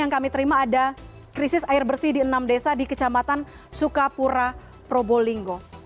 yang kami terima ada krisis air bersih di enam desa di kecamatan sukapura probolinggo